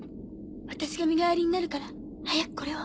私が身代わりになるから早くこれを。